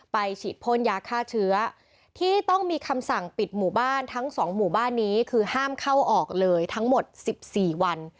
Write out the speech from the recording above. ฉีดพ่นยาฆ่าเชื้อที่ต้องมีคำสั่งปิดหมู่บ้านทั้งสองหมู่บ้านนี้คือห้ามเข้าออกเลยทั้งหมด๑๔วัน